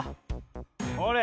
ほれ